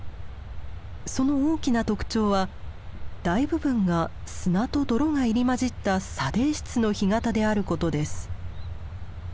その大きな特徴は大部分が砂と泥が入り交じった「砂泥質」の干潟であることです。